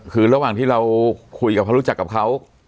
คือระหว่างที่เราคุยกับเขารู้จักกับเขา